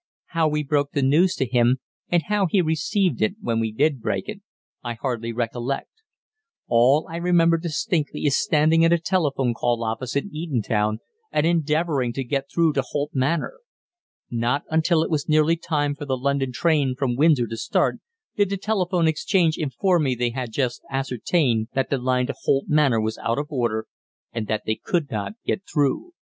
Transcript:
How we broke the news to him, and how he received it when we did break it, I hardly recollect. All I remember distinctly is standing in a telephone call office in Eton town, and endeavouring to get through to Holt Manor. Not until it was nearly time for the London train from Windsor to start, did the telephone exchange inform me they had just ascertained that the line to Holt Manor was out of order, and that they could not get through.